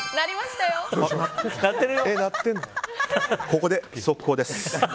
ここで速報です。